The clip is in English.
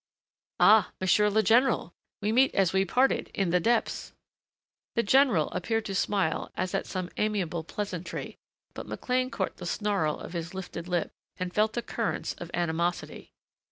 "Ah, monsieur le general! We meet as we parted in the depths!" The general appeared to smile as at some amiable pleasantry, but McLean caught the snarl of his lifted lip, and felt the currents of animosity.